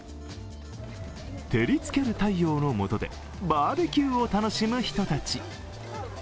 照りつける太陽の下でバーベキューを楽しむ人たち。